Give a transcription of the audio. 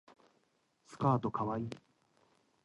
スカートかわいい